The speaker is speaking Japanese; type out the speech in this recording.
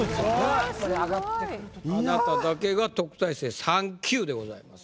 あなただけが特待生３級でございます。